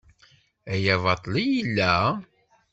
Aya baṭel i yella?